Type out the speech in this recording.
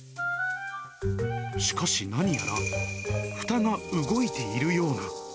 しかし、何やらふたが動いているような。